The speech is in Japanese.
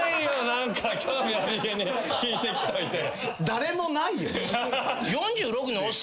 誰もないよ。